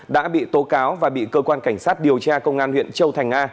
đã bị tố cáo và bị cơ quan cảnh sát điều tra công an huyện châu thành a